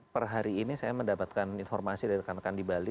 per hari ini saya mendapatkan informasi dari rekan rekan di bali